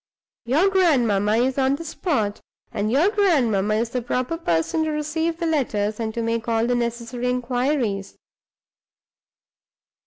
Your grandmamma is on the spot; and your grandmamma is the proper person to receive the letters, and to make all the necessary inquires."